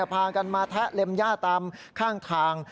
พากันมาแทะเล็มย่าตามข้างทาง